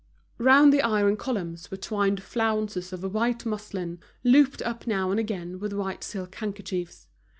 Round the iron columns were twined flounces of white muslin, looped up now and again with white silk handkerchiefs.